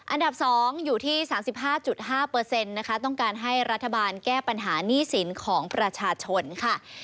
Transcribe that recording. อันดับ๒อยู่ที่๓๕๕นะคะต้องการให้รัฐบาลแก้ปัญหาหนี้สินของประชาชนค่ะ